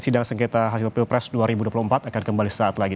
sidang sengketa hasil pilpres dua ribu dua puluh empat akan kembali saat lagi